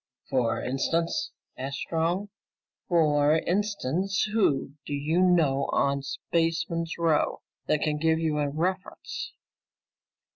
"What for instance?" asked Strong. "For instance, who do you know on Spaceman's Row that can give you a reference?"